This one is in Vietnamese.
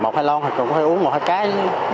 một hai lon thì phải uống một hai cái